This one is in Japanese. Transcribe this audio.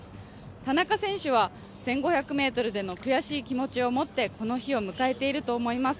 田中選手は１５００ｍでの悔しい気持ちを持ってこの日を迎えていると思います。